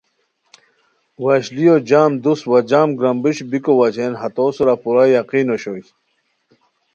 وشلیو جم دوست وا جم گرامبیشو بیکو وجہین ہتو سورا پورا یقین اوشوئے